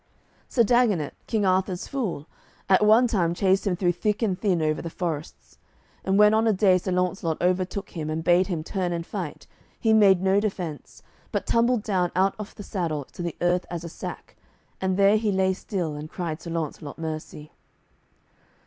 Sir Dagonet, King Arthur's fool, at one time chased him through thick and thin over the forests; and when on a day Sir Launcelot overtook him and bade him turn and fight, he made no defence, but tumbled down out off the saddle to the earth as a sack, and there he lay still, and cried Sir Launcelot mercy.